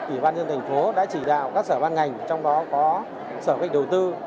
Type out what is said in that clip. ủy ban dân thành phố đã chỉ đạo các sở ban ngành trong đó có sở bệnh đầu tư